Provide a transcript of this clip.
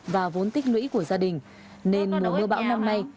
và vốn tích lũy của gia đình nên mùa mưa bão năm nay